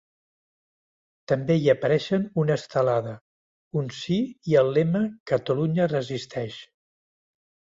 També hi apareixen una estelada, un sí i el lema ‘Catalunya resisteix’.